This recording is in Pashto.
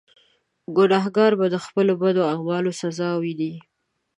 ګناهکار به د خپلو بدو اعمالو سزا ویني.